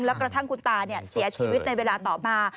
แล้วกระทั่งคุณตาเสียชีวิตในเวลาต่อมา